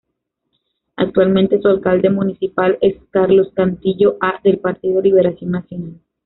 Actualmente su alcalde municipal es Carlos Cantillo A. del partido Liberación Nacional.